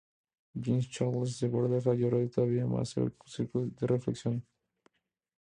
Jean-Charles de Borda desarrolló todavía más el círculo de reflexión.